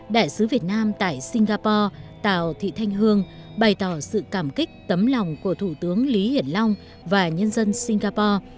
đại sứ việt nam tại singapore tào thị thanh hương bày tỏ sự cảm kích tấm lòng của thủ tướng lý hiển long và nhân dân singapore